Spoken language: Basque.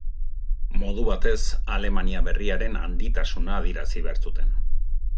Modu batez, Alemania Berriaren handitasuna adierazi behar zuten.